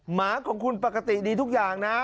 หมาของคุณปกติดีทุกอย่างนะ